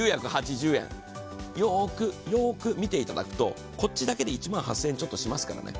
よーく見ていただくと、こっちだけて１万８０００円ちょっとしますからね